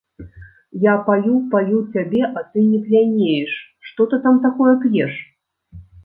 Я паю-паю цябе, а ты не п'янееш, што ты там такое п'еш?